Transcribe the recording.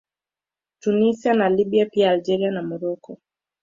Tunisia na Libya pia Algeria na Morocco